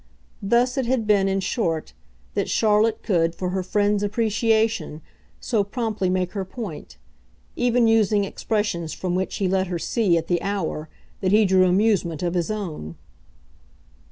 Thus it had been, in short, that Charlotte could, for her friend's appreciation, so promptly make her point; even using expressions from which he let her see, at the hour, that he drew amusement of his own.